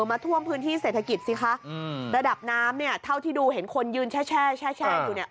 มาท่วมพื้นที่เศรษฐกิจสิคะอืมระดับน้ำเนี่ยเท่าที่ดูเห็นคนยืนแช่แช่อยู่เนี่ย